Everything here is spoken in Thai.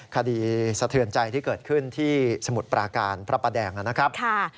สะเทือนใจที่เกิดขึ้นที่สมุทรปราการพระประแดงนะครับ